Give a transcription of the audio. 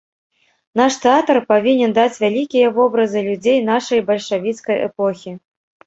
Наш тэатр павінен даць вялікія вобразы людзей нашай бальшавіцкай эпохі.